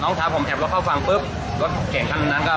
น้องชายผมเห็บแล้วเข้าฝั่งปลึปรถเก่งคันนั้นก็